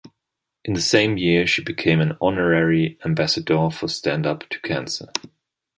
In the same year, she became an honorary ambassador for Stand Up to Cancer.